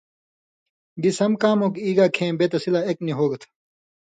گی سم کام اوک ایگا کھیں بے تسی لا ایک نی ہوگ تھو۔